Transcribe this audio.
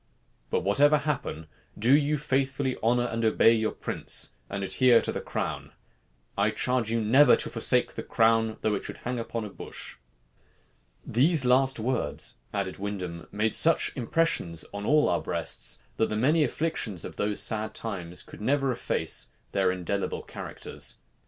But whatever happen, do you faithfully honor and obey your prince, and adhere to the crown. I charge you never to forsake the crown, though it should hang upon a bush." "These last words," added Windham, "made such impressions on all our breasts, that the many afflictions of these sad times could never efface their indelible characters."